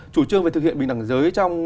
chủ trương về thực hiện bình đẳng giới